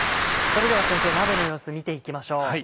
それでは鍋の様子見て行きましょう。